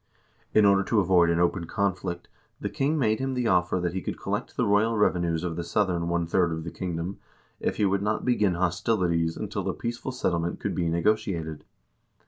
In order to avoid an open conflict the king made him the offer that he could collect the royal revenues of the southern one third of the kingdom if he would not begin hostilities until a peaceful settlement could be negotiated.